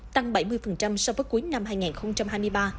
tăng bảy mươi so với cuối năm hai nghìn hai mươi ba